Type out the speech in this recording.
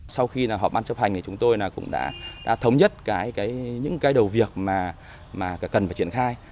sau khi họp ban chấp hành thì chúng tôi cũng đã thống nhất những cái đầu việc mà cần phải triển khai